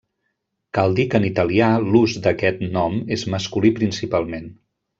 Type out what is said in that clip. Cal dir que en italià l'ús d'aquest nom és masculí principalment.